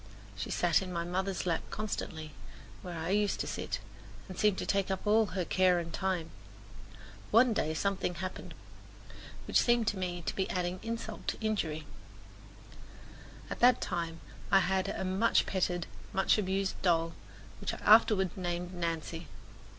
She sat in my mother's lap constantly, where I used to sit, and seemed to take up all her care and time. One day something happened which seemed to me to be adding insult to injury. At that time I had a much petted, much abused doll, which I afterward named Nancy.